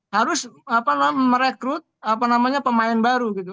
harus merekrut apa namanya pemain baru gitu